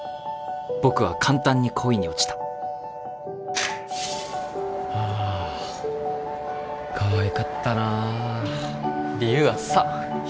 僕は簡単に恋に落ちたはあかわいかったな理由あっさ！